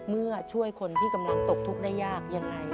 เมื่อช่วยคนที่กำลังตกทุกข์ได้ยากยังไง